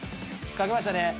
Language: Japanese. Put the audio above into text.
書けましたね？